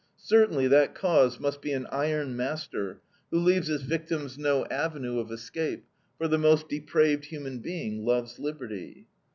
Certainly that cause must be an iron master, who leaves its victims no avenue of escape, for the most depraved human being loves liberty.